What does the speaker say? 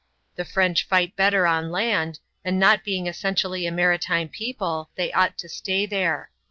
The French fight better on land ; and, not being essentially a maritime people, they ought to stay there.